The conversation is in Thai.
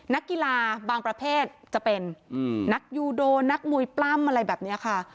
นักกีฬาบางประเภทจะเป็นนักยูโดนักมวยปล้ำอะไรแบบนี้ค่ะ